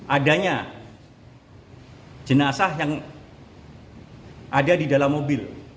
adanya jenazah yang ada di dalam mobil